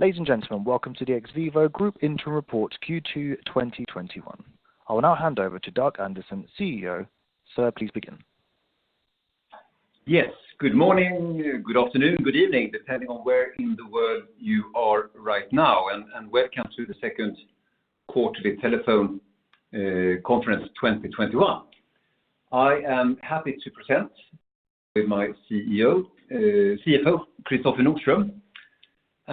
Ladies and gentlemen, welcome to the XVIVO Group interim report Q2 2021. I will now hand over to Dag Andersson, CEO. Sir, please begin. Yes. Good morning, good afternoon, good evening, depending on where in the world you are right now, and welcome to the second quarterly telephone conference 2021. I am happy to present with my CFO,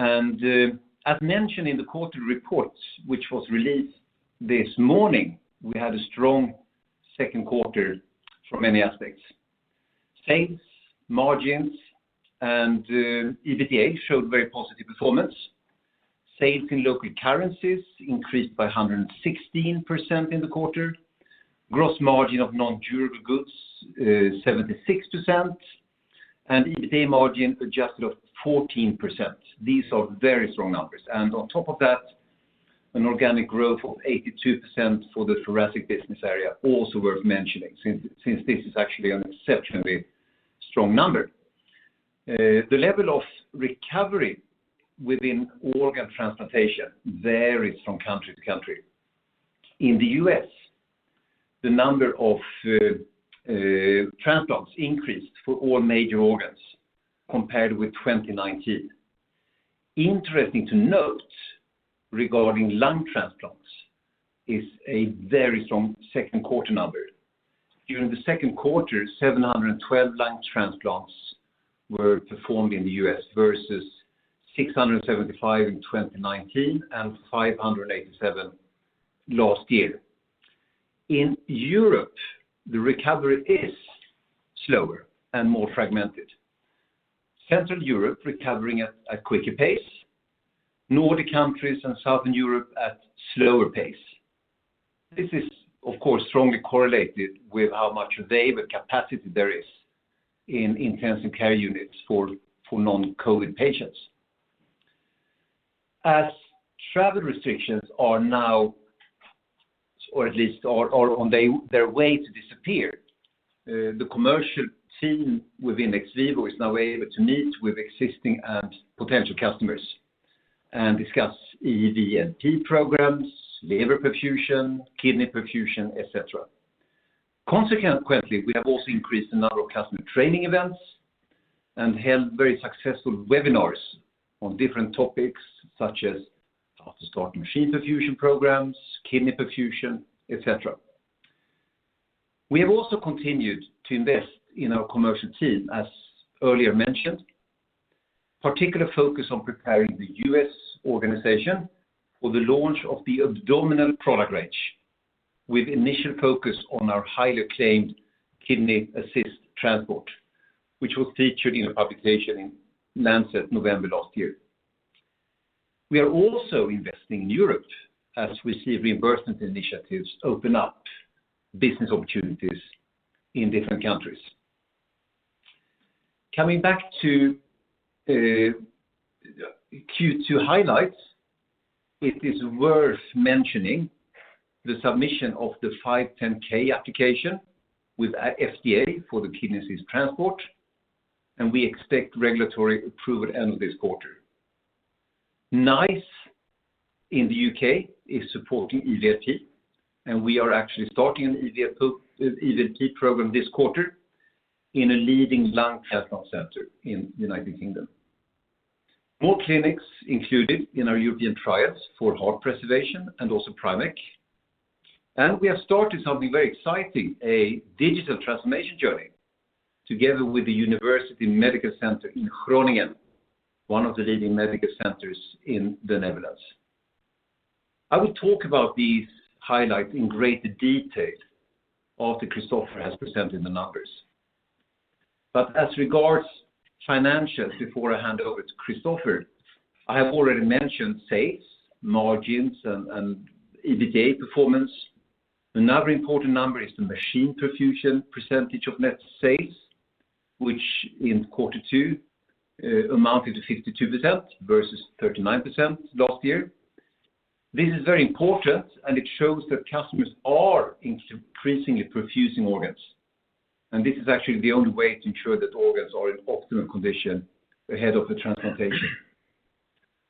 Kristoffer Nordström, as mentioned in the quarterly report, which was released this morning, we had a strong second quarter from many aspects. Sales, margins, and EBITDA showed very positive performance. Sales in local currencies increased by 116% in the quarter. Gross margin of non-durable goods, 76%, and EBITDA margin adjusted of 14%. These are very strong numbers. On top of that, an organic growth of 82% for the Thoracic business area also worth mentioning, since this is actually an exceptionally strong number. The level of recovery within organ transplantation varies from country to country. In the U.S., the number of transplants increased for all major organs compared with 2019. Interesting to note regarding lung transplants is a very strong second quarter number. During the second quarter, 712 lung transplants were performed in the U.S. versus 675 in 2019 and 587 last year. In Europe, the recovery is slower and more fragmented. Central Europe recovering at a quicker pace. Nordic countries and Southern Europe at slower pace. This is, of course, strongly correlated with how much available capacity there is in intensive care units for non-COVID-19 patients. As travel restrictions are now, or at least are on their way to disappear, the commercial team within XVIVO is now able to meet with existing and potential customers and discuss EVLP programs, liver perfusion, kidney perfusion, et cetera. Consequently, we have also increased the number of customer training events and held very successful webinars on different topics, such as how to start machine perfusion programs, kidney perfusion, et cetera. We have also continued to invest in our commercial team, as earlier mentioned. Particular focus on preparing the U.S. organization for the launch of the Abdominal product range, with initial focus on our highly acclaimed Kidney Assist Transport, which was featured in a publication in The Lancet November last year. We are also investing in Europe as we see reimbursement initiatives open up business opportunities in different countries. Coming back to Q2 highlights, it is worth mentioning the submission of the 510(k) application with FDA for the Kidney Assist Transport, we expect regulatory approval end of this quarter. NICE in the U.K. is supporting EVLP, and we are actually starting an EVLP program this quarter in a leading lung transplant center in the United Kingdom. More clinics included in our European trials for heart preservation and also PrimECC. We have started something very exciting, a digital transformation journey together with the University Medical Center Groningen, one of the leading medical centers in the Netherlands. I will talk about these highlights in greater detail after Kristoffer has presented the numbers. As regards financials, before I hand over to Kristoffer, I have already mentioned sales, margins, and EBITDA performance. Another important number is the machine perfusion percentage of net sales, which in quarter two amounted to 52% versus 39% last year. This is very important, and it shows that customers are increasingly perfusing organs, and this is actually the only way to ensure that organs are in optimum condition ahead of the transplantation.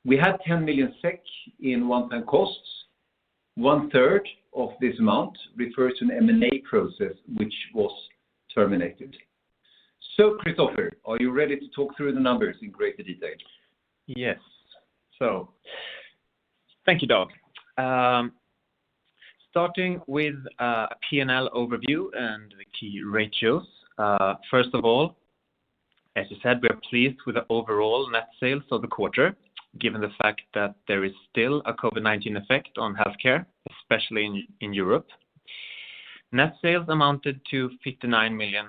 We had 10 million SEK in one-time costs. One third of this amount refers to an M&A process which was terminated. Kristoffer, are you ready to talk through the numbers in greater detail? Yes. Thank you, Dag. Starting with a P&L overview and the key ratios. First of all, as you said, we are pleased with the overall net sales for the quarter, given the fact that there is still a COVID-19 effect on healthcare, especially in Europe. Net sales amounted to 59 million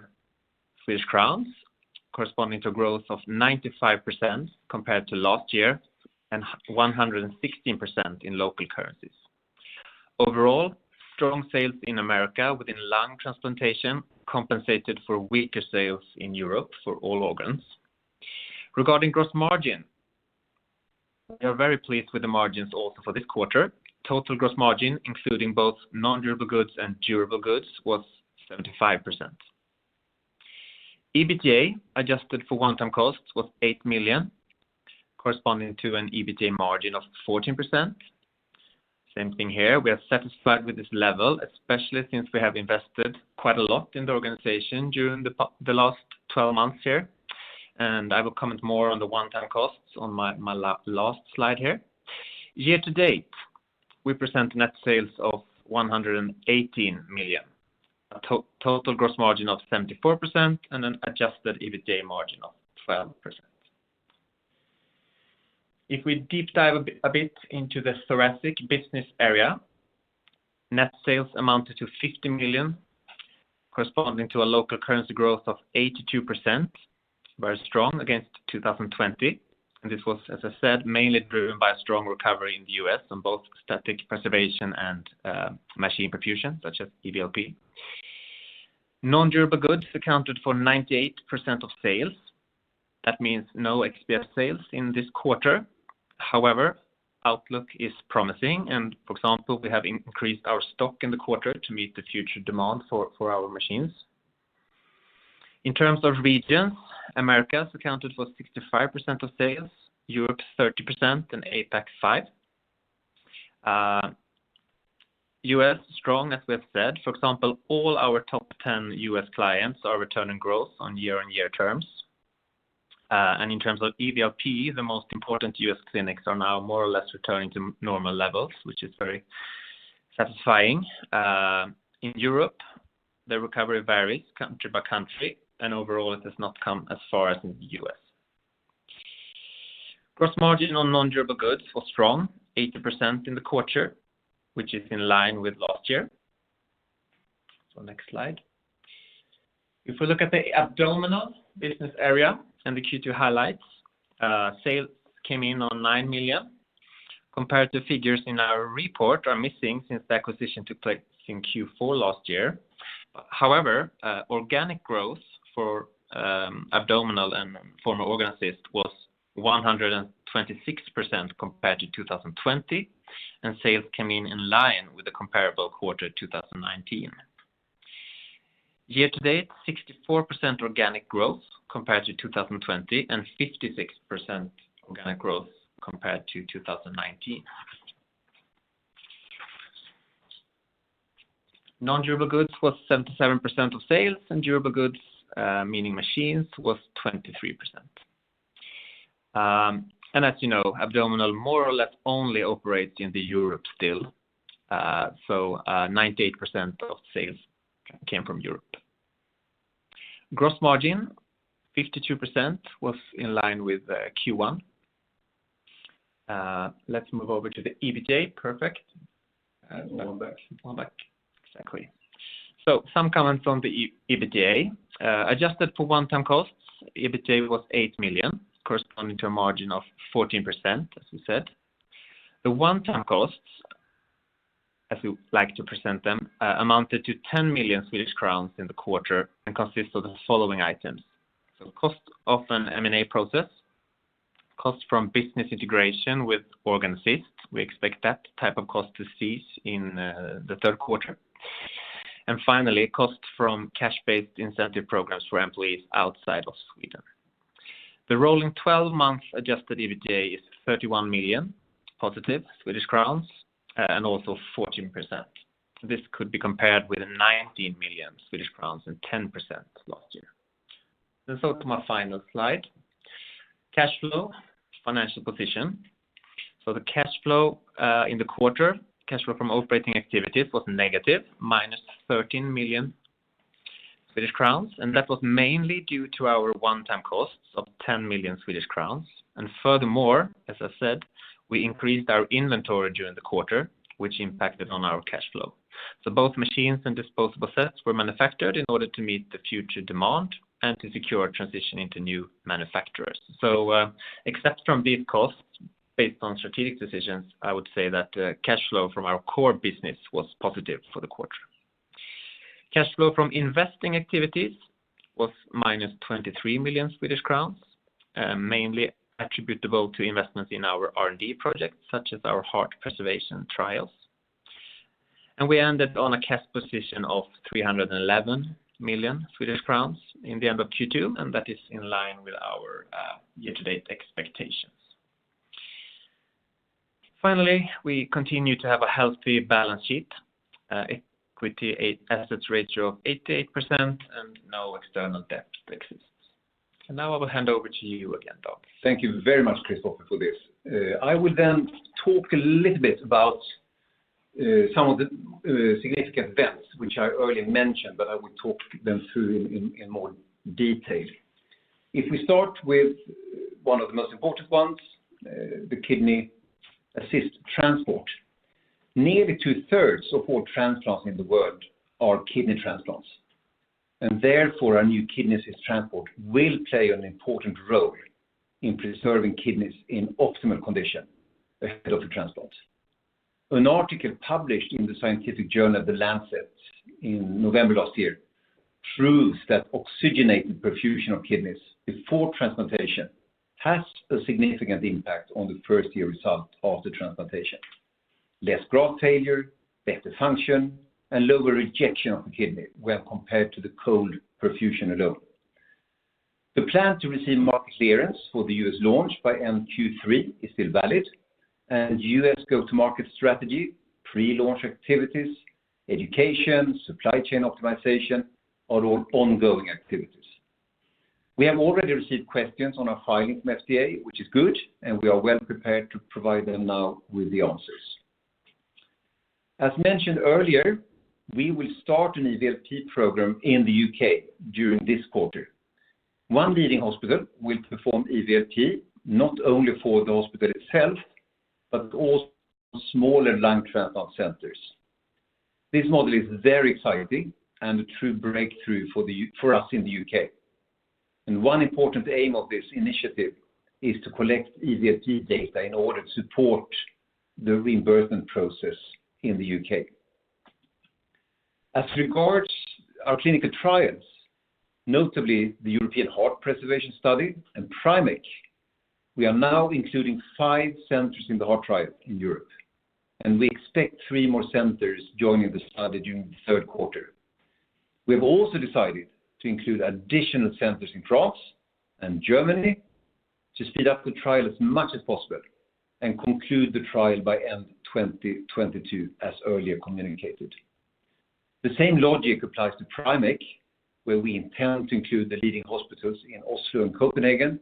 Swedish crowns, corresponding to growth of 95% compared to last year and 116% in local currencies. Overall, strong sales in America within lung transplantation compensated for weaker sales in Europe for all organs. Regarding gross margin, we are very pleased with the margins also for this quarter. Total gross margin, including both non-durable goods and durable goods, was 75%. EBITDA adjusted for one-time costs was 8 million, corresponding to an EBITDA margin of 14%. Same thing here. We are satisfied with this level, especially since we have invested quite a lot in the organization during the last 12 months here. I will comment more on the one-time costs on my last slide here. Year to date, we present net sales of 118 million, a total gross margin of 74%, and an adjusted EBITDA margin of 12%. If we deep dive a bit into the Thoracic business area, net sales amounted to 50 million, corresponding to a local currency growth of 82%, very strong against 2020. This was, as I said, mainly driven by a strong recovery in the U.S. on both static preservation and machine perfusion, such as EVLP. Non-durable goods accounted for 98% of sales. That means no XPS sales in this quarter. However, outlook is promising and for example, we have increased our stock in the quarter to meet the future demand for our machines. In terms of regions, Americas accounted for 65% of sales, Europe 30%, and APAC 5%. U.S. strong, as we have said, for example, all our top 10 U.S. clients are returning growth on year-on-year terms. In terms of EVLP, the most important U.S. clinics are now more or less returning to normal levels, which is very satisfying. In Europe, the recovery varies country by country, and overall it has not come as far as in the U.S. Gross margin on non-durable goods was strong, 80% in the quarter, which is in line with last year. Next slide. If we look at the Abdominal business area and the Q2 highlights, sales came in on 9 million. Comparative figures in our report are missing since the acquisition took place in Q4 last year. However, organic growth for Abdominal and former Organ Assist was 126% compared to 2020, and sales came in line with the comparable quarter 2019. Year-to-date, 64% organic growth compared to 2020 and 56% organic growth compared to 2019. Non-durable goods was 77% of sales, and durable goods, meaning machines, was 23%. As you know, Abdominal more or less only operates in Europe still. So 98% of sales came from Europe. Gross margin 52% was in line with Q1. Let's move over to the EBITDA. Perfect. One back. Exactly. Some comments on the EBITDA. Adjusted for one-time costs, EBITDA was 8 million, corresponding to a margin of 14%, as we said. The one-time costs, as we like to present them, amounted to 10 million Swedish crowns in the quarter and consist of the following items. Cost of an M&A process, cost from business integration with Organ Assist. We expect that type of cost to cease in the third quarter. Finally, cost from cash-based incentive programs for employees outside of Sweden. The rolling 12 months adjusted EBITDA is 31 million positive and also 14%. This could be compared with 19 million Swedish crowns and 10% last year. Let's go to my final slide. Cash flow financial position. The cash flow in the quarter, cash flow from operating activities was negative, minus 13 million Swedish crowns. That was mainly due to our one-time costs of 10 million Swedish crowns. Furthermore, as I said, we increased our inventory during the quarter, which impacted on our cash flow. Both machines and disposable sets were manufactured in order to meet the future demand and to secure transition into new manufacturers. Except from these costs based on strategic decisions, I would say that cash flow from our core business was positive for the quarter. Cash flow from investing activities was minus 23 million Swedish crowns, mainly attributable to investments in our R&D projects such as our heart preservation trials. We ended on a cash position of 311 million Swedish crowns in the end of Q2. That is in line with our year-to-date expectations. Finally, we continue to have a healthy balance sheet, equity assets ratio of 88% and no external debt exists. Now I will hand over to you again, Dag. Thank you very much, Kristoffer, for this. I will talk a little bit about some of the significant events which I earlier mentioned, I will talk them through in more detail. If we start with one of the most important ones, the Kidney Assist Transport. Nearly 2/3 of all transplants in the world are kidney transplants, and therefore our new Kidney Assist Transport will play an important role in preserving kidneys in optimal condition ahead of the transplant. An article published in the scientific journal, The Lancet, in November last year proves that oxygenated perfusion of kidneys before transplantation has a significant impact on the first year result of the transplantation. Less graft failure, better function, and lower rejection of the kidney when compared to the cold perfusion alone. The plan to receive market clearance for the U.S. launch by Q3 is still valid, U.S. go-to-market strategy, pre-launch activities, education, supply chain optimization, are all ongoing activities. We have already received questions on our filing from FDA, which is good, we are well prepared to provide them now with the answers. As mentioned earlier, we will start an EVLP program in the U.K. during this quarter. One leading hospital will perform EVLP not only for the hospital itself, but also smaller lung transplant centers. This model is very exciting and a true breakthrough for us in the U.K. One important aim of this initiative is to collect EVLP data in order to support the reimbursement process in the U.K. As regards our clinical trials, notably the European Heart Preservation Study and PrimECC, we are now including five centers in the heart trial in Europe, we expect three more centers joining the study during the third quarter. We have also decided to include additional centers in France and Germany to speed up the trial as much as possible and conclude the trial by end 2022, as earlier communicated. The same logic applies to PrimECC, where we intend to include the leading hospitals in Oslo and Copenhagen,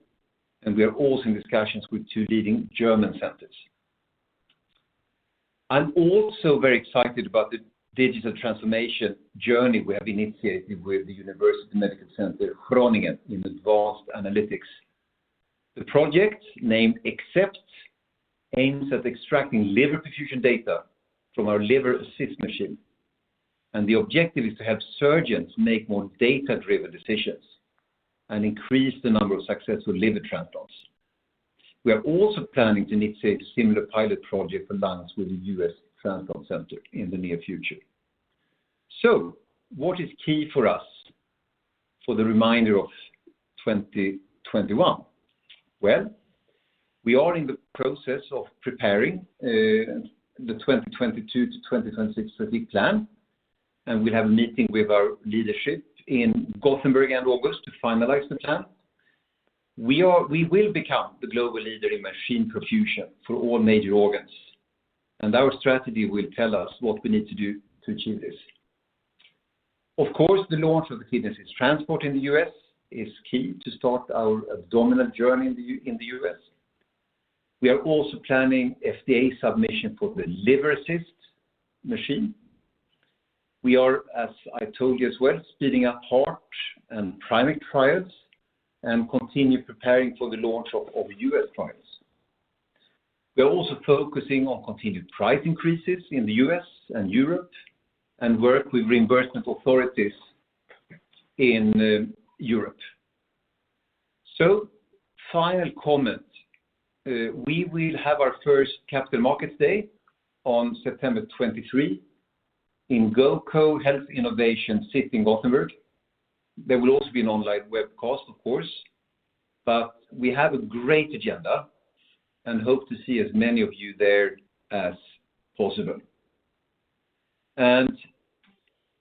we are also in discussions with two leading German centers. I'm also very excited about the digital transformation journey we have initiated with the University Medical Center Groningen in advanced analytics. The project, named ACCEPT, aims at extracting liver perfusion data from our Liver Assist machine, and the objective is to have surgeons make more data-driven decisions and increase the number of successful liver transplants. We are also planning to initiate a similar pilot project alliance with a U.S. transplant center in the near future. What is key for us for the remainder of 2021? We are in the process of preparing the 2022 to 2026 strategic plan, and we'll have a meeting with our leadership in Gothenburg end August to finalize the plan. We will become the global leader in machine perfusion for all major organs, and our strategy will tell us what we need to do to achieve this. Of course, the launch of the Kidney Assist Transport in the U.S. is key to start our Abdominal journey in the U.S. We are also planning FDA submission for the Liver Assist machine. We are, as I told you as well, speeding up heart and PrimECC trials and continue preparing for the launch of the U.S. trials. We're also focusing on continued price increases in the U.S. and Europe and work with reimbursement authorities in Europe. Final comment, we will have our first Capital Markets Day on September 23 in GoCo Health Innovation City in Gothenburg. There will also be an online webcast, of course, but we have a great agenda and hope to see as many of you there as possible. And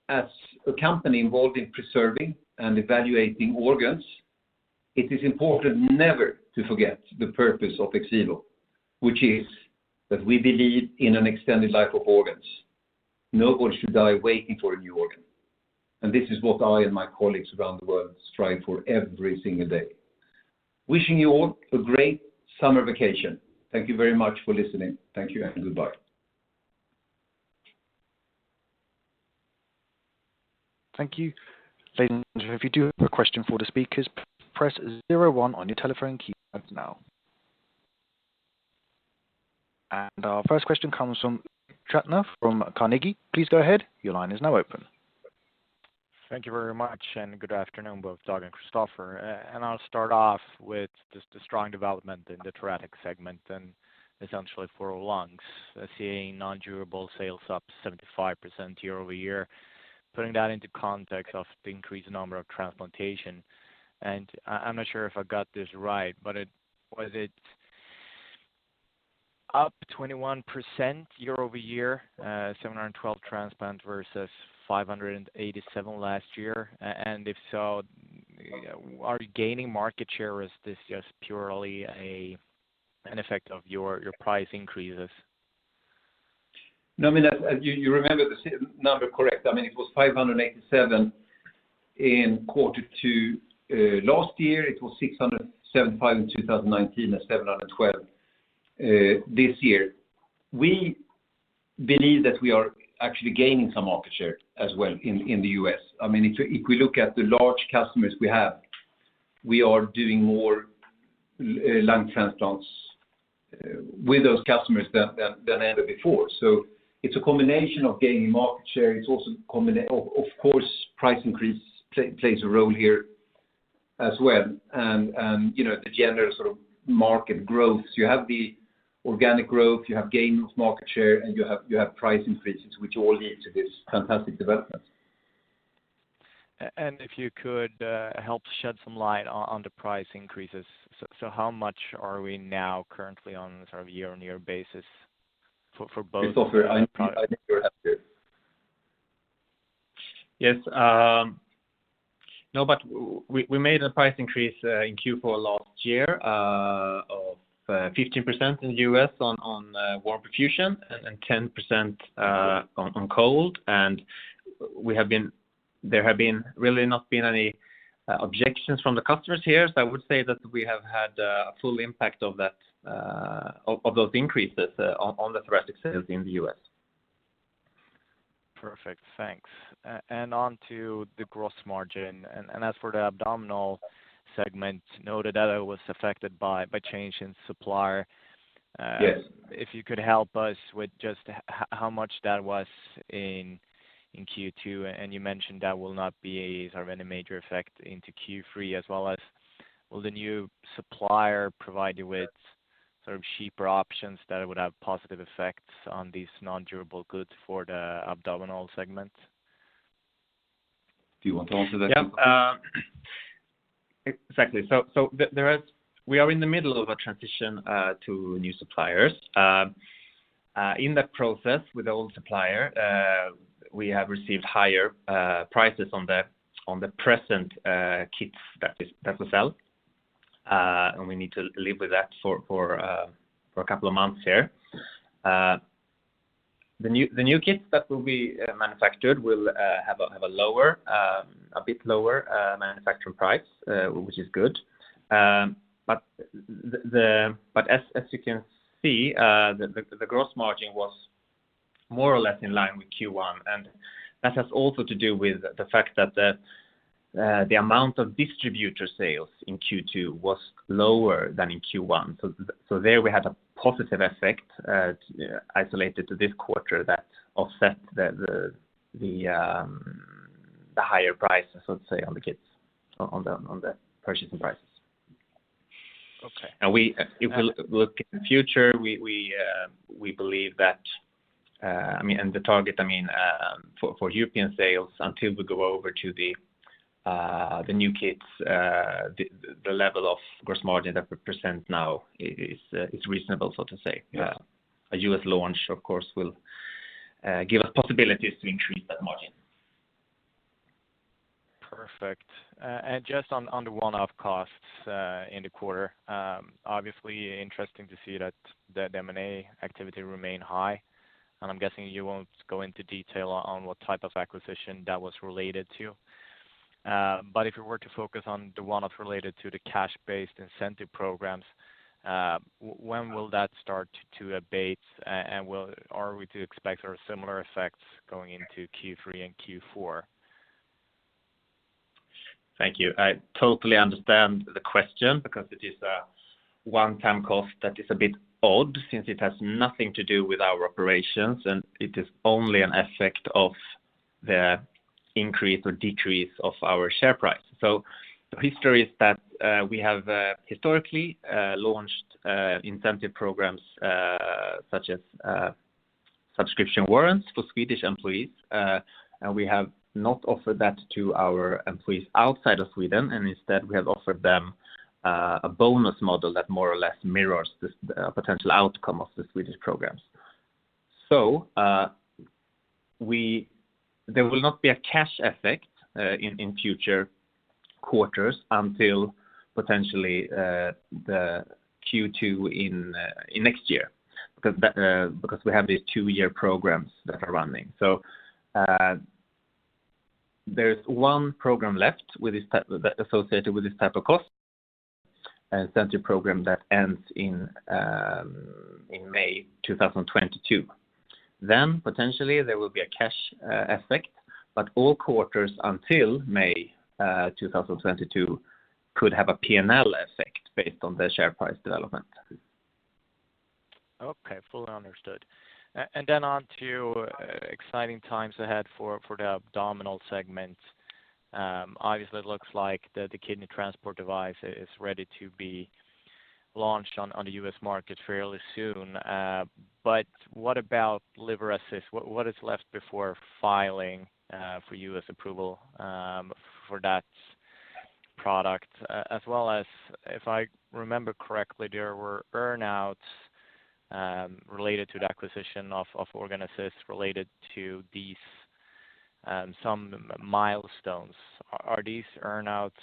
as a company involved in preserving and evaluating organs, it is important never to forget the purpose of XVIVO, which is that we believe in an extended life of organs. No one should die waiting for a new organ, and this is what I and my colleagues around the world strive for every single day. Wishing you all a great summer vacation. Thank you very much for listening. Thank you and goodbye. Thank you. Ladies and gentlemen, if you do have a question for the speakers, press zero one on your telephone keypad now. Our first question comes from Niklas Trattner from Carnegie. Please go ahead. Your line is now open. Thank you very much, good afternoon, both Dag and Kristoffer. I'll start off with just the strong development in the Thoracic segment and essentially for all lungs. Seeing non-durable sales up 75% year-over-year, putting that into context of the increased number of transplantation. I'm not sure if I got this right, was it up 21% year-over-year, 712 transplants versus 587 last year? If so, are you gaining market share, or is this just purely an effect of your price increases? You remember the number correct. It was 587 in quarter two last year. It was 675 in 2019 and 712 this year. We believe that we are actually gaining some market share as well in the U.S. If we look at the large customers we have, we are doing more lung transplants with those customers than ever before. It's a combination of gaining market share. Of course, price increase plays a role here as well, and the general sort of market growth. You have the organic growth, you have gains market share, and you have price increases, which all lead to this fantastic development. If you could help shed some light on the price increases. How much are we now currently on a year-on-year basis for both- We made a price increase in Q4 last year of 15% in the U.S. on Warm Perfusion and 10% on cold. There have been really not been any objections from the customers here. I would say that we have had a full impact of those increases on the Thoracic sales in the U.S. Perfect. Thanks. On to the gross margin. As for the Abdominal segment, noted that it was affected by change in supplier. Yes. If you could help us with just how much that was in Q2, you mentioned that will not be any major effect into Q3 as well as, will the new supplier provide you with cheaper options that would have positive effects on these non-durable goods for the Abdominal segment? Do you want to answer that? Yep. Exactly. We are in the middle of a transition to new suppliers. In that process with the old supplier, we have received higher prices on the present kits that we sell. We need to live with that for a couple of months here. The new kits that will be manufactured will have a bit lower manufacturing price, which is good. As you can see, the gross margin was more or less in line with Q1, that has also to do with the fact that the amount of distributor sales in Q2 was lower than in Q1. There we had a positive effect isolated to this quarter that offset the higher prices, let's say, on the kits, on the purchasing prices. Okay. If we look in the future, we believe that, and the target for European sales until we go over to the new kits, the level of gross margin that we present now is reasonable, so to say. Yeah. A U.S. launch, of course, will give us possibilities to increase that margin. Perfect. Just on the one-off costs in the quarter. Obviously interesting to see that the M&A activity remained high, and I am guessing you won't go into detail on what type of acquisition that was related to. If we were to focus on the one-off related to the cash-based incentive programs, when will that start to abate, and are we to expect similar effects going into Q3 and Q4? Thank you. I totally understand the question because it is a one-time cost that is a bit odd since it has nothing to do with our operations, and it is only an effect of the increase or decrease of our share price. The history is that we have historically launched incentive programs, such as subscription warrants for Swedish employees, and we have not offered that to our employees outside of Sweden, and instead, we have offered them a bonus model that more or less mirrors this potential outcome of the Swedish programs. There will not be a cash effect in future quarters until potentially the Q2 in next year, because we have these two-year programs that are running. There is one program left associated with this type of cost, an incentive program that ends in May 2022. There will potentially be a cash effect, but all quarters until May 2022 could have a P&L effect based on the share price development. Okay, fully understood. On to exciting times ahead for the Abdominal segment. Obviously, it looks like the Kidney Assist Transport device is ready to be launched on the U.S. market fairly soon. What about Liver Assist? What is left before filing for U.S. approval for that product? As well as if I remember correctly, there were earn-outs related to the acquisition of Organ Assist related to these some milestones. Are these earn-outs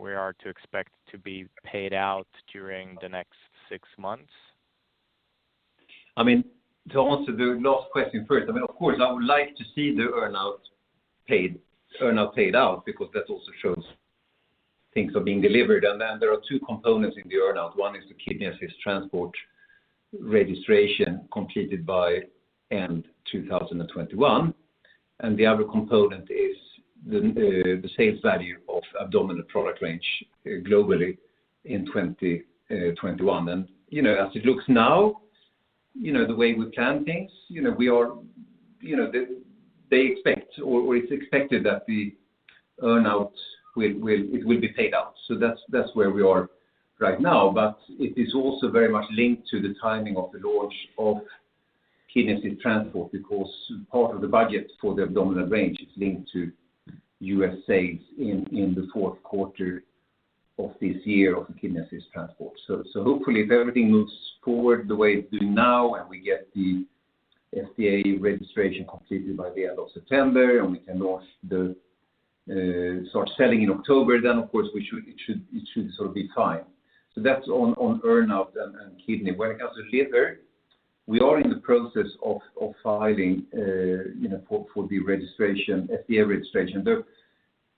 we are to expect to be paid out during the next six months? To answer the last question first, of course, I would like to see the earn-out paid out because that also shows things are being delivered. There are two components in the earn-out. One is the Kidney Assist Transport registration completed by end 2021, and the other component is the sales value of Abdominal product range globally in 2021. As it looks now, the way we plan things, it is expected that the earn-out will be paid out. That is where we are right now. It is also very much linked to the timing of the launch of Kidney Assist Transport because part of the budget for the Abdominal range is linked to U.S. sales in the fourth quarter of this year of the Kidney Assist Transport. Hopefully, if everything moves forward the way it is doing now and we get the FDA registration completed by the end of September and we can start selling in October, of course it should be fine. That is on earn-out and kidney. When it comes to Liver, we are in the process of filing for the FDA registration. The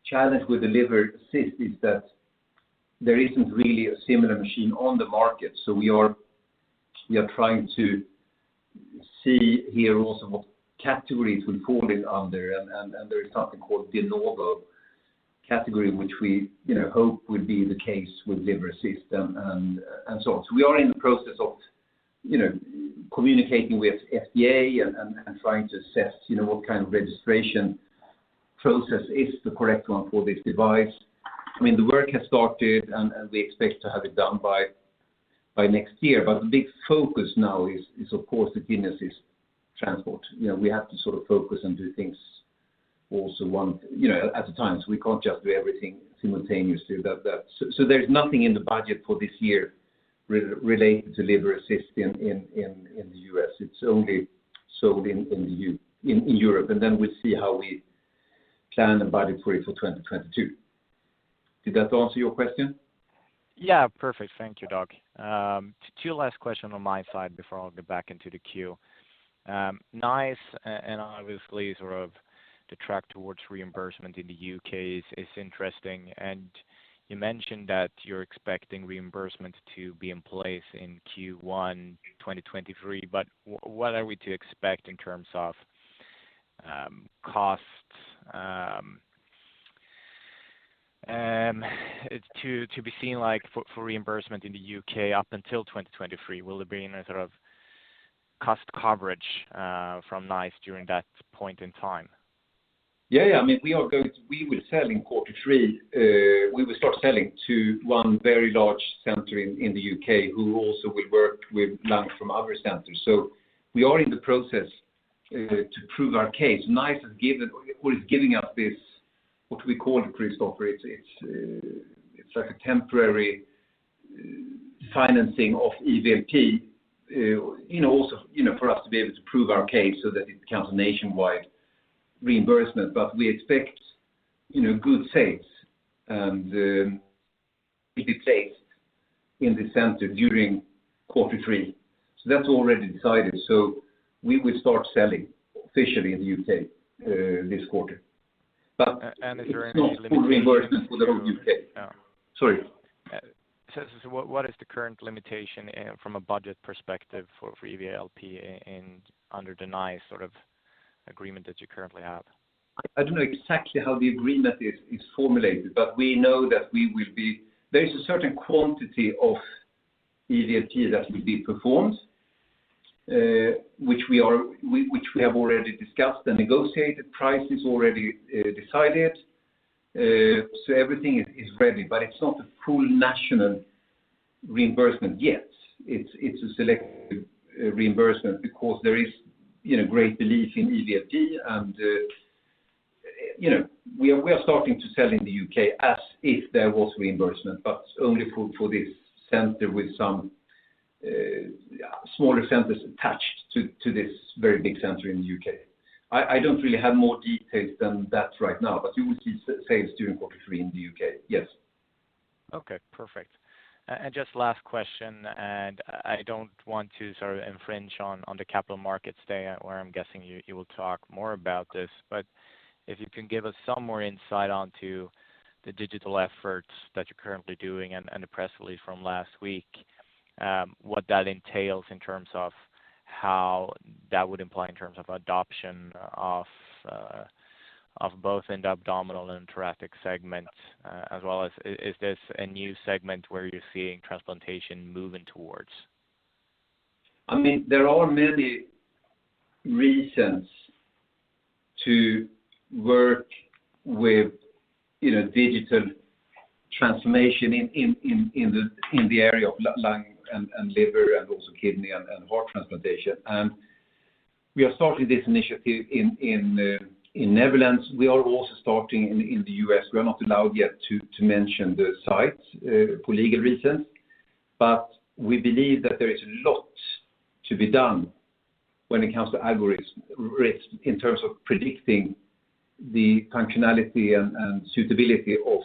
challenge with the Liver Assist is that there isn't really a similar machine on the market, so we are trying to see here also what categories would fall in under and there is something called de novo category, which we hope would be the case with Liver Assist and so on. We are in the process of communicating with FDA and trying to assess what kind of registration process is the correct one for this device. The work has started, we expect to have it done by next year. The big focus now is of course the Kidney Assist Transport. We have to focus and do things also one at a time. We can't just do everything simultaneously with that. There's nothing in the budget for this year related to Liver Assist in the U.S., it's only sold in Europe. We'll see how we plan the budget for 2022. Did that answer your question? Yeah. Perfect. Thank you, Dag. Two last question on my side before I'll get back into the queue. NICE and obviously the track towards reimbursement in the U.K. is interesting, and you mentioned that you're expecting reimbursement to be in place in Q1 2023. What are we to expect in terms of costs to be seen for reimbursement in the U.K. up until 2023? Will there be any sort of cost coverage from NICE during that point in time? Yeah. We will start selling to one very large center in the U.K. who also will work with lungs from other centers. We are in the process to prove our case. NICE is giving us this, what we call it, Kristoffer, it's like a temporary financing of EVLP for us to be able to prove our case so that it becomes a nationwide reimbursement. We expect good sales and it is safe in the center during quarter three. That's already decided. We will start selling officially in the U.K. this quarter. Is there any limitation it's not full reimbursement for the whole U.K. Yeah. Sorry. What is the current limitation from a budget perspective for EVLP under the NICE agreement that you currently have? I don't know exactly how the agreement is formulated, but we know that there is a certain quantity of EVLP that will be performed which we have already discussed and negotiated prices already decided. Everything is ready, but it's not a full national reimbursement yet. It's a selective reimbursement because there is great belief in EVLP and we are starting to sell in the U.K. as if there was reimbursement, but only for this center with some smaller centers attached to this very big center in the U.K. I don't really have more details than that right now, but you will see sales during quarter three in the U.K. Yes. Okay, perfect. Just last question, and I don't want to infringe on the Capital Markets Day, where I'm guessing you will talk more about this, but if you can give us some more insight onto the digital efforts that you're currently doing and the press release from last week, what that entails in terms of how that would imply in terms of adoption of both in the Abdominal and Thoracic segment. Is this a new segment where you're seeing transplantation moving towards? There are many reasons to work with digital transformation in the area of lung and liver and also kidney and heart transplantation. We are starting this initiative in Netherlands. We are also starting in the U.S. We are not allowed yet to mention the sites for legal reasons, we believe that there is lots to be done when it comes to algorithms in terms of predicting the functionality and suitability of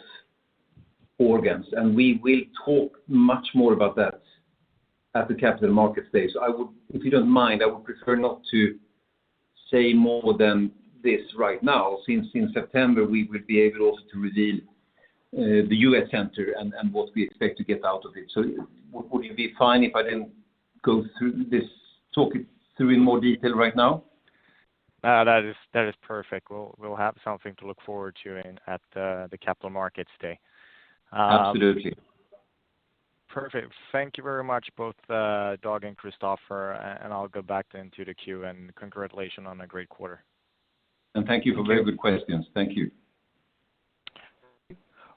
organs. We will talk much more about that at the Capital Markets Day. If you don't mind, I would prefer not to say more than this right now. Since in September we will be able also to reveal the U.S. center and what we expect to get out of it. Would it be fine if I didn't talk it through in more detail right now? No, that is perfect. We'll have something to look forward to at the Capital Markets Day. Absolutely. Perfect. Thank you very much, both Dag and Kristoffer, and I'll go back then to the queue and congratulations on a great quarter. Thank you for very good questions. Thank you.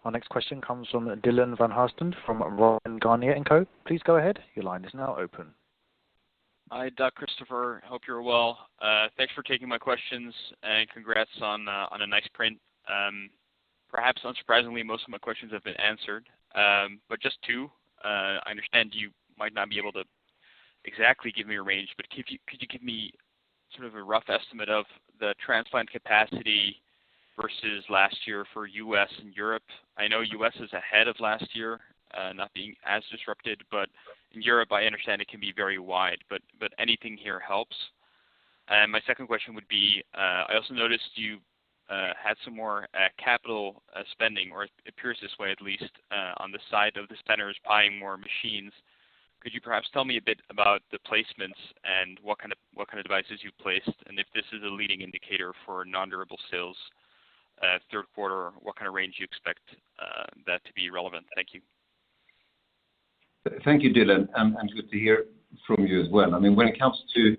Our next question comes from Dylan van Haastrecht from Robey & Co.. Please go ahead. Your line is now open. Hi, Kristoffer. Hope you're well. Thanks for taking my questions, congrats on a nice print. Perhaps unsurprisingly, most of my questions have been answered. Just two. I understand you might not be able to exactly give me a range, could you give me a rough estimate of the transplant capacity versus last year for U.S. and Europe? I know U.S. is ahead of last year, not being as disrupted, in Europe, I understand it can be very wide. Anything here helps. My second question would be, I also noticed you had some more capital spending, or it appears this way at least, on the side of the centers buying more machines. Could you perhaps tell me a bit about the placements and what kind of devices you placed, if this is a leading indicator for non-durable sales third quarter, what kind of range you expect that to be relevant? Thank you. Thank you, Dylan, good to hear from you as well. When it comes to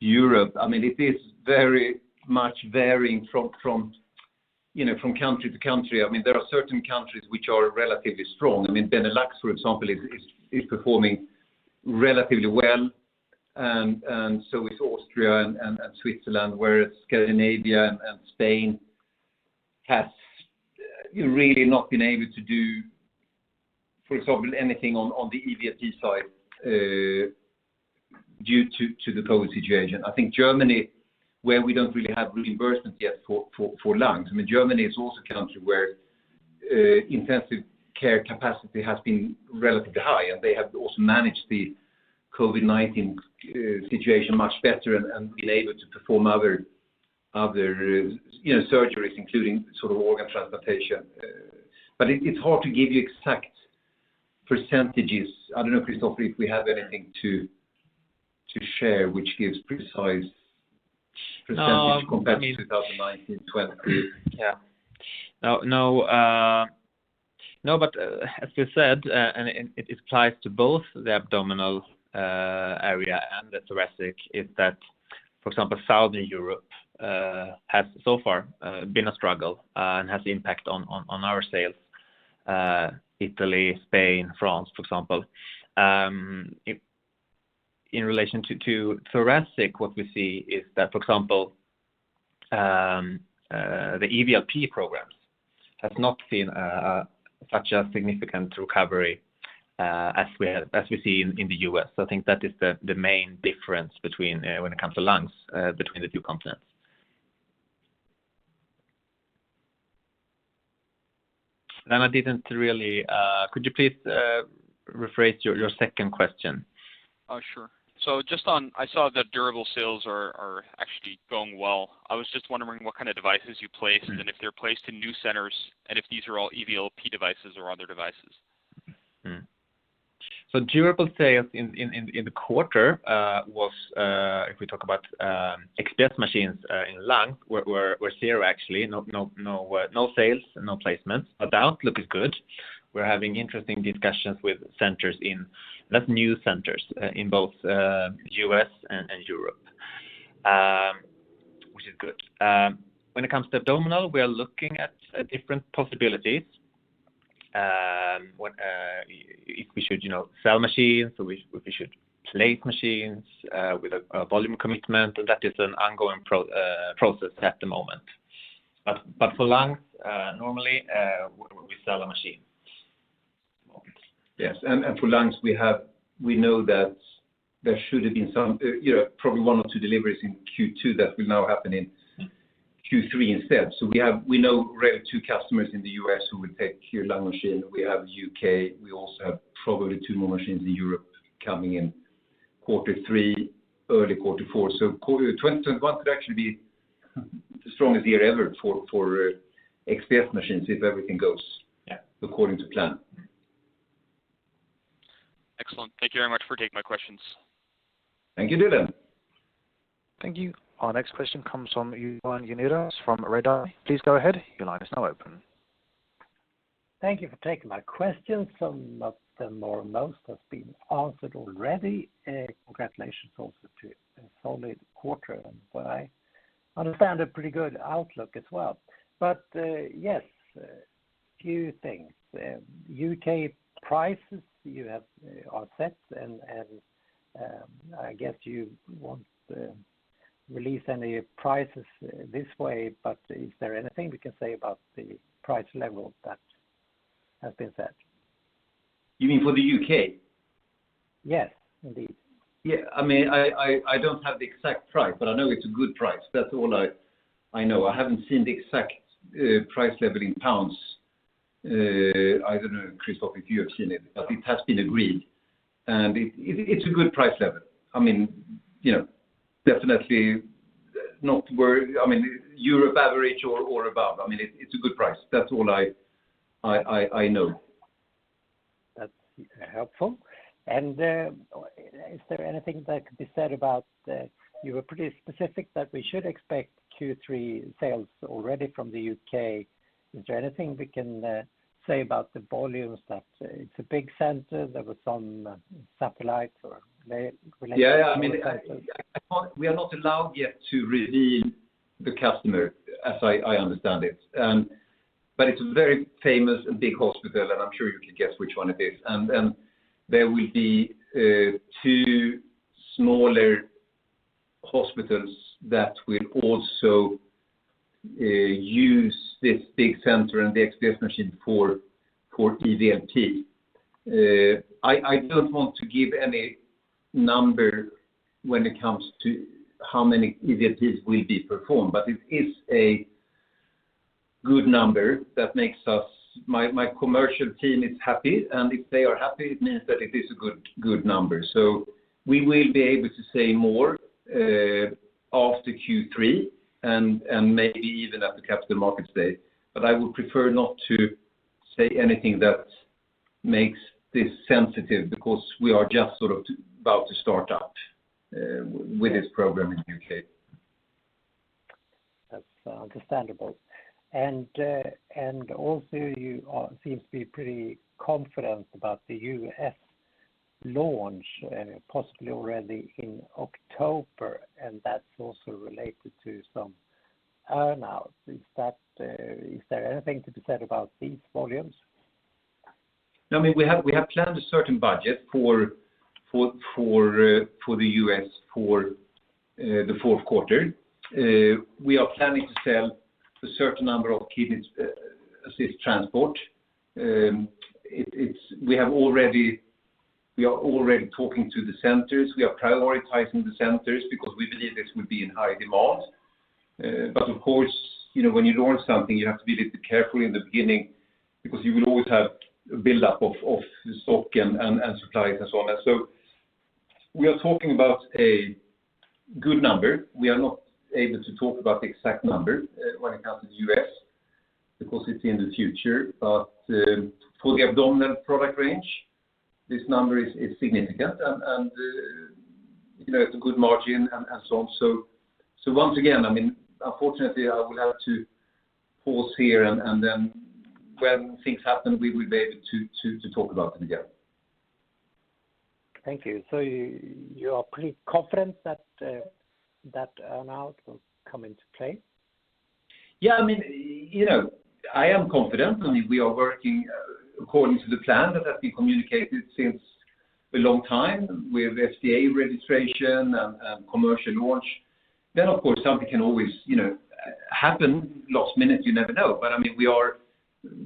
Europe, it is very much varying from country to country. There are certain countries which are relatively strong. Benelux, for example, is performing relatively well, so is Austria and Switzerland, whereas Scandinavia Spain has really not been able to do, for example, anything on the EVLP side due to the COVID situation. I think Germany, where we don't really have reimbursements yet for lungs. Germany is also a country where intensive care capacity has been relatively high, they have also managed the COVID-19 situation much better and been able to perform other surgeries, including organ transplantation. It's hard to give you exact percentages. I don't know, Kristoffer, if we have anything to share which gives precise percentage compared to 2019, 2020. As we said, and it applies to both the Abdominal area and the Thoracic, is that, for example, Southern Europe has so far been a struggle and has impact on our sales, Italy, Spain, France, for example. In relation to Thoracic, what we see is that, for example, the EVLP programs have not seen such a significant recovery as we see in the U.S. I think that is the main difference when it comes to lungs between the two continents. Could you please rephrase your second question? Sure. I saw that durable sales are actually going well. I was just wondering what kind of devices you placed, and if they're placed in new centers, and if these are all EVLP devices or other devices. Durable sales in the quarter was, if we talk about XPS machines in lung, were zero actually. No sales, no placements. Outlook is good. We're having interesting discussions with centers in, not new centers, in both U.S. and Europe, which is good. When it comes to Abdominal, we are looking at different possibilities. If we should sell machines, or we should place machines with a volume commitment, and that is an ongoing process at the moment. For lungs, normally, we sell a machine. For lungs, we know that there should have been probably one or two deliveries in Q2 that will now happen in Q3 instead. We know already two customers in the U.S. who will take lung machine. We have U.K. We also have probably two more machines in Europe coming in quarter three, early quarter four. Quarter 2021 could actually be the strongest year ever for XPS machines if everything goes. Yeah according to plan. Excellent. Thank you very much for taking my questions. Thank you, Dylan. Thank you. Our next question comes from Johan Unnérus from Redeye. Please go ahead. Your line is now open. Thank you for taking my question. Some of them, or most, have been answered already. Congratulations also to a solid quarter and what I understand, a pretty good outlook as well. Yes, a few things. U.K. prices you have are set, and I guess you won't release any prices this way, but is there anything we can say about the price level that has been set? You mean for the U.K.? Yes, indeed. I don't have the exact price, but I know it's a good price. That's all I know. I haven't seen the exact price level in pounds. I don't know, Kristoffer, if you have seen it, but it has been agreed, and it's a good price level. Definitely not Europe average or above. It's a good price. That's all I know. That's helpful. Is there anything that could be said about, you were pretty specific that we should expect Q3 sales already from the U.K. Is there anything we can say about the volumes that it's a big center. There were some satellites or related. Yeah. We are not allowed yet to reveal the customer as I understand it. It's a very famous and big hospital, and I'm sure you can guess which one it is. There will be two smaller hospitals that will also use this big center and the XVIVO machine for EVLP. I don't want to give any number when it comes to how many EVLPs will be performed, but it is a good number that makes my commercial team happy, and if they are happy, it means that it is a good number. We will be able to say more after Q3 and maybe even at the Capital Markets Day. I would prefer not to say anything that makes this sensitive because we are just about to start up with this program in the U.K. That's understandable. Also, you seem to be pretty confident about the U.S. launch, possibly already in October, and that's also related to some earn-outs. Is there anything to be said about these volumes? We have planned a certain budget for the U.S. for the fourth quarter. We are planning to sell a certain number of Kidney Assist Transport. We are already talking to the centers. We are prioritizing the centers because we believe this will be in high demand. Of course, when you launch something, you have to be a little careful in the beginning because you will always have a buildup of stock and supplies and so on. We are talking about a good number. We are not able to talk about the exact number when it comes to the U.S. because it's in the future. For the Abdominal product range, this number is significant and it's a good margin and so on. Once again, unfortunately, I will have to pause here and then when things happen, we will be able to talk about them again. Thank you. You are pretty confident that earn-out will come into play? Yeah, I am confident. We are working according to the plan that has been communicated since a long time with FDA registration and commercial launch. Of course, something can always happen last minute, you never know.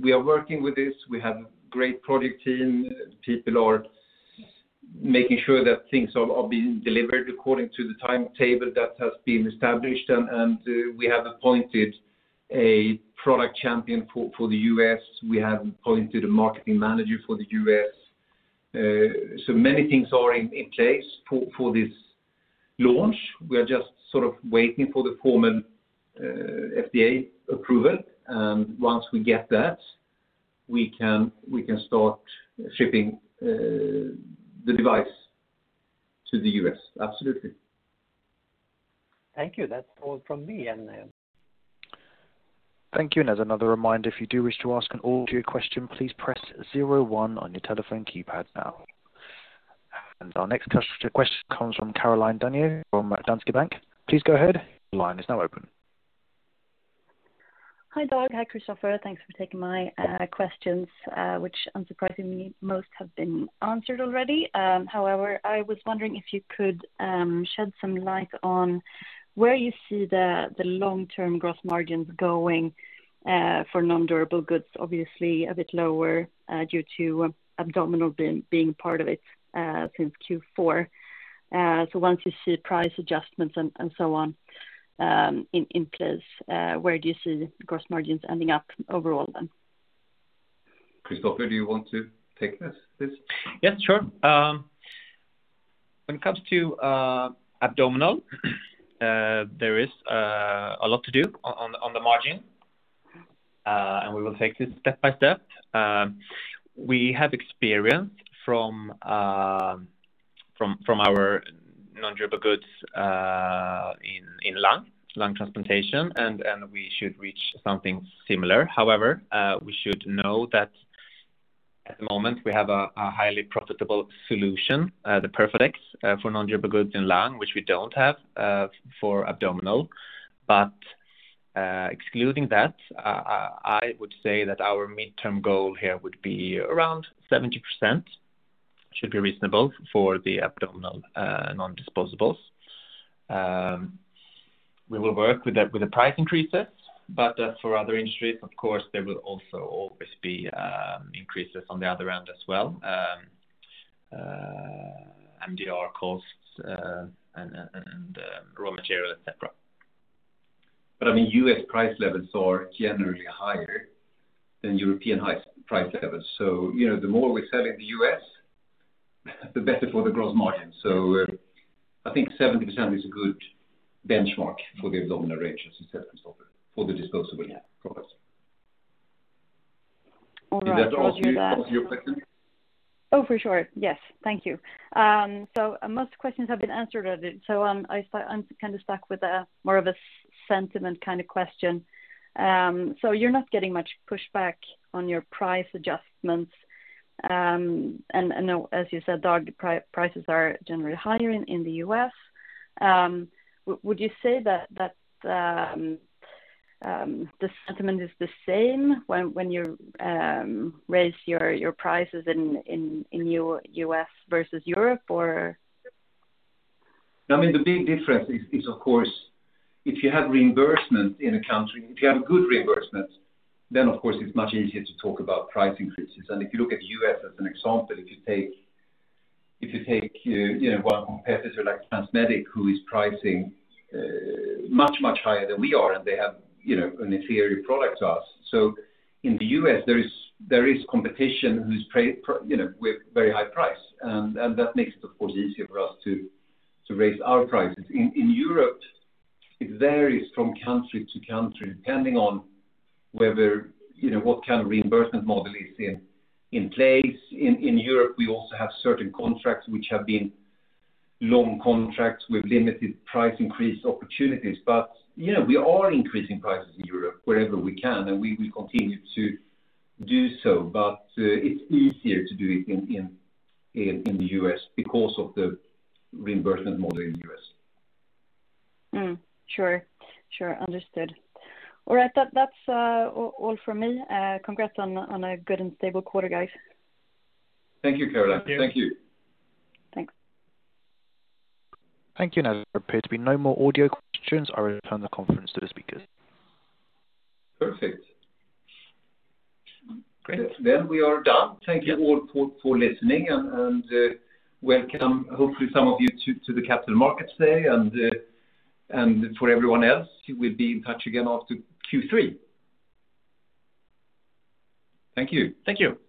We are working with this. We have great product team. People are making sure that things are being delivered according to the timetable that has been established, and we have appointed a product champion for the U.S. We have appointed a marketing manager for the U.S. Many things are in place for this launch. We are just waiting for the formal FDA approval. Once we get that, we can start shipping the device to the U.S. Absolutely. Thank you. That's all from me. Thank you. As another reminder, if you do wish to ask an audio question, please press zero one on your telephone keypad now. Our next question comes from Caroline Daniel from Danske Bank. Please go ahead. Your line is now open. Hi, Dag. Hi, Kristoffer. Thanks for taking my questions, which unsurprisingly, most have been answered already. I was wondering if you could shed some light on where you see the long-term gross margins going for non-durable goods, obviously a bit lower due to Abdominal being part of it since Q4. Once you see price adjustments and so on in place, where do you see gross margins ending up overall then? Kristoffer, do you want to take this? Yes, sure. When it comes to Abdominal, there is a lot to do on the margin, and we will take this step by step. We have experience from our non-durable goods in lung transplantation, and we should reach something similar. We should know that at the moment we have a highly profitable solution, the Perfadex, for non-durable goods in lung, which we don't have for Abdominal. Excluding that, I would say that our midterm goal here would be around 70%, should be reasonable for the abdominal non-disposables. We will work with the price increases, but as for other industries, of course, there will also always be increases on the other end as well. MDR costs and raw material, et cetera. U.S. price levels are generally higher than European price levels. The more we sell in the U.S., the better for the gross margin. I think 70% is a good benchmark for the Abdominal range, as you said, Kristoffer, for the disposable products. All right. Thank you for that. Does that answer your question? Oh, for sure. Yes. Thank you. Most questions have been answered already. I'm stuck with more of a sentiment question. You're not getting much pushback on your price adjustments. As you said, Dag, prices are generally higher in the U.S. Would you say that the sentiment is the same when you raise your prices in U.S. versus Europe or? The big difference is, if you have reimbursement in a country, if you have good reimbursement, of course it's much easier to talk about price increases. If you look at U.S. as an example, if you take one competitor like TransMedics who is pricing much, much higher than we are, and they have an inferior product to us. In the U.S., there is competition with very high price. That makes it, of course, easier for us to raise our prices. In Europe, it varies from country to country, depending on what kind of reimbursement model is in place. In Europe, we also have certain contracts which have been long contracts with limited price increase opportunities. We are increasing prices in Europe wherever we can, and we will continue to do so. It's easier to do it in the U.S. because of the reimbursement model in the U.S. Sure. Understood. All right. That's all from me. Congrats on a good and stable quarter, guys. Thank you, Caroline. Thank you. Thank you. Thanks. Thank you. There appear to be no more audio questions. I return the conference to the speakers. Perfect. Great. We are done. Thank you all for listening and welcome, hopefully, some of you to the Capital Markets Day. For everyone else, we'll be in touch again after Q3. Thank you. Thank you